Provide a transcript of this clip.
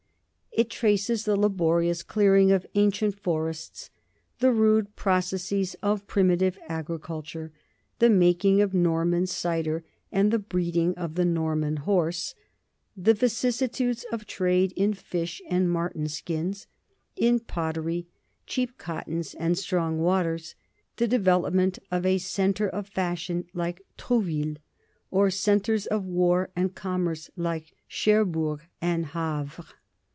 It traces the laborious clearing of ancient forests, the rude processes of prim itive agriculture, the making of Norman cider and the breeding of the Norman horse, the vicissitudes of trade in fish and marten skins, in pottery, cheap cottons, and strong waters, the development of a centre of fashion like Trouville or centres of war and commerce like Cher bourg and Havre.